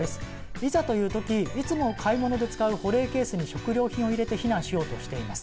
いざという時いつも買い物で使う保冷ケースに食料品を入れて避難しようとしています。